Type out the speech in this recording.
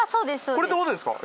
これって事ですか？